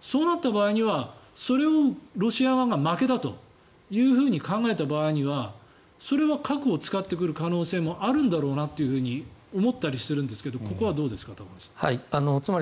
そうなった場合にはそれをロシア側が負けだと考えた場合にはそれは核を使ってくる可能性もあるんだろうなと思ったりするんですけどここはどうですか、高橋さん。